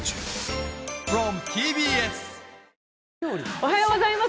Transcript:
おはようございます。